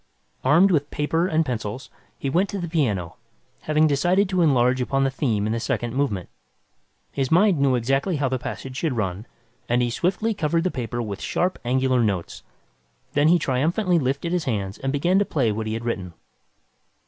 Armed with paper and pencils, he went to the piano, having decided to enlarge upon the theme in the second movement. His mind knew exactly how the passage should run, and he swiftly covered the paper with sharp, angular notes. Then he triumphantly lifted his hands and began to play what he had written.